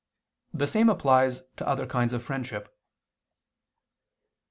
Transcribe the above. The same applies to other kinds of friendship.